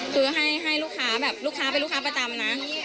คือให้ลูกค้าแบบลูกค้าเป็นลูกค้าประจำนะ